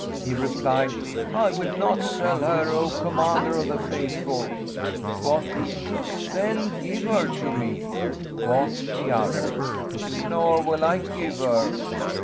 He replied, "I will not sell her, O Commander of the Faithful." Quoth he, "Then give her to me." Quoth the other, "Nor will I give her."